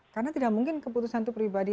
karena tidak mungkin keputusan itu pribadi